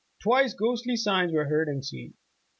Twice ghostly signs were heard and seen.